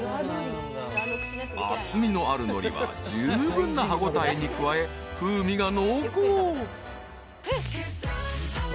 ［厚みのあるのりは十分な歯応えに加え風味が濃厚］